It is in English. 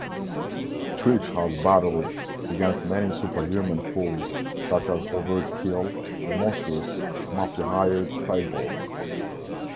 Twitch has battled against many super-human foes such as Overt-Kill, a monstrous, mafia-hired cyborg.